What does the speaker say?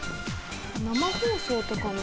生放送とかの。